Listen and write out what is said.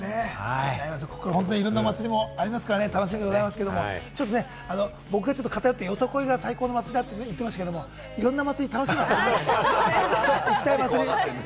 ここからいろいろな祭りもありますから楽しみでございますけれども、僕が偏って、よさこいが最高の祭りと言いましたが、いろんな祭り、楽しんでいただきたい。